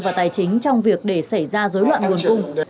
và tài chính trong việc để xảy ra dối loạn nguồn cung